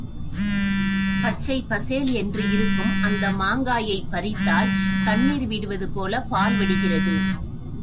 பச்சைப் பசேல் என்று இருக்கும் அந்த மாங்காயைப் பறித்தால் கண்ணிர் விடுவது போலப் பால் வடிகிறது.